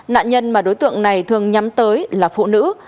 nạn nhân mà đối tượng này thường nhắm tới là phụ nữ